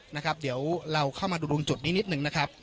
นะครับเดี๋ยวเราเข้ามาดูตรงจุดนี้นิดนึงนะครับ